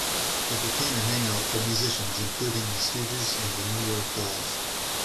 It became a hangout for musicians, including The Stooges and the New York Dolls.